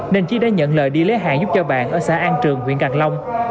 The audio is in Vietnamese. nên chi đã nhận lời đi lấy hàng giúp cho bạn ở xã an trường huyện càng long